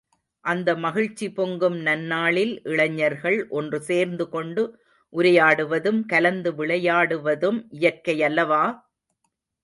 அந்த மகிழ்ச்சி பொங்கும் நன்னாளில், இளைஞர்கள் ஒன்று சேர்ந்துகொண்டு உரையாடுவதும், கலந்து விளையாடுவதும் இயற்கையல்லவா!